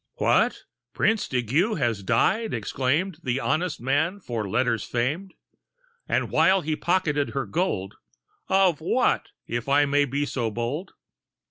"What! Prince di Giu has died!" exclaimed The honest man for letters famed, The while he pocketed her gold; "Of what'? if I may be so bold."